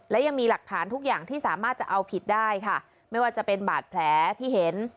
และยังมีหลักฐานทุกอย่างที่สามารถจะเอาผิดได้ค่ะไม่ว่าจะเป็นบาดแผลที่เห็น